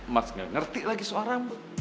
mas gak ngerti lagi suara